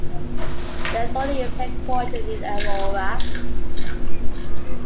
The authority is headquartered in Aurora.